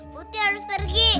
putri harus pergi